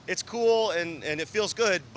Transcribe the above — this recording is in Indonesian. itu keren dan itu merasa bagus